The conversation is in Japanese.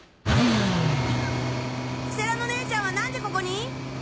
世良の姉ちゃんは何でここに？